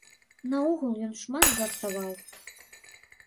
Наогул ён шмат жартаваў.